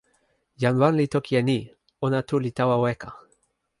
jan wan li toki e ni: ona tu li tawa weka.